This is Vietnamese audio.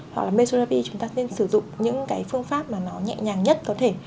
hoặc là mesrapi chúng ta nên sử dụng những cái phương pháp mà nó nhẹ nhàng nhất có thể